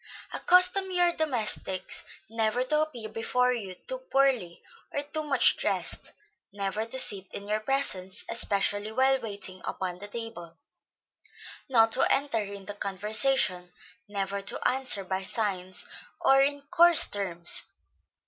Accustom your domestics never to appear before you too poorly, or too much dressed; never to sit in your presence, especially while waiting upon the table; not to enter into conversation; never to answer by signs, or in coarse terms.